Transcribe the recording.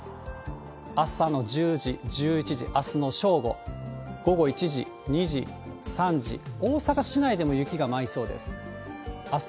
朝の１０時、１１時、あすの正午、午後１時、２時、３時、大阪市内でも雪が舞いそうです。